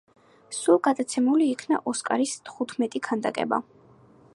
სულ გადაცემული იქნა „ოსკარის“ თხუთმეტი ქანდაკება.